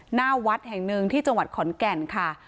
หน้าวัดแห่งหนึ่งที่จังหวัดขอนแก่นค่ะ